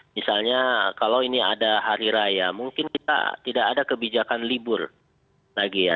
misalnya kalau ini ada hari raya mungkin kita tidak ada kebijakan libur lagi ya